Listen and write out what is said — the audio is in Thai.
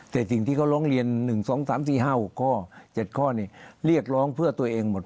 แต่สิ่งที่เขาร้องเรียน๑๒๓๔๕๖ข้อ๗ข้อนี้เรียกร้องเพื่อตัวเองหมด